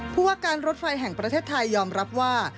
ผู้ว่าการรถไฟแห่งประเทศไทยยอมรับว่า